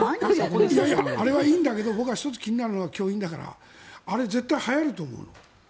あれはいいんだけど僕が１つ気になるのはあれ、絶対はやると思う。